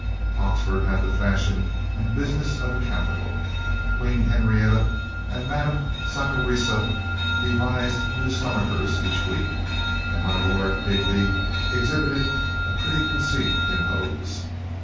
Oxford had the fashion and business of a capital. Queen Henrietta and Madame Saccharissa devised new stomachers each week, and my Lord Digby exhibited a pretty conceit in hose.